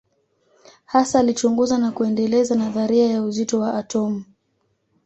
Hasa alichunguza na kuendeleza nadharia ya uzito wa atomu.